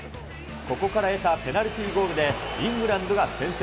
ここから得たペナルティーゴールで、イングランドが先制。